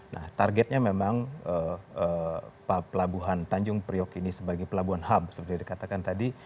nah targetnya memang pelabuhan tanjung priok ini sebagai pelabuhan ham seperti dikatakan tadi